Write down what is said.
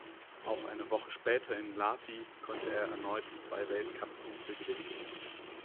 Auch eine Woche später in Lahti konnte er erneut zwei Weltcup-Punkte gewinnen.